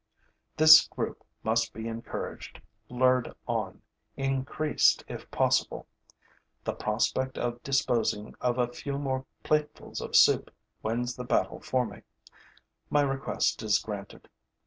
This group must be encouraged, lured on, increased if possible. The prospect of disposing of a few more platefuls of soup wins the battle for me; my request is granted.